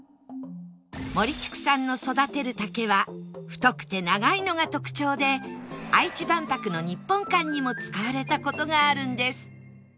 ＭＯＲＩＣＨＩＫＵ さんの育てる竹は太くて長いのが特徴で愛知万博の日本館にも使われた事があるんです